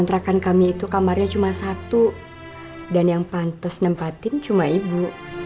kontrakan kami itu kamarnya cuma satu dan yang pantas nempatin cuma ibu